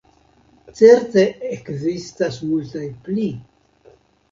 Certe ekzistas multaj pli.